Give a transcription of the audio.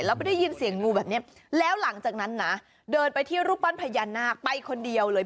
แล้วไปได้ยินเสียงงูแบบนี้แล้วหลังจากนั้นนะเดินไปที่รูปปั้นพญานาคไปคนเดียวเลย